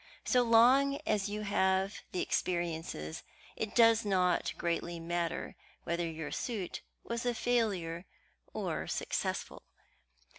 So long as you have the experiences, it does not greatly matter whether your suit was a failure or successful.